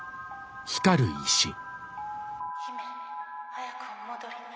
「姫早くお戻りに」。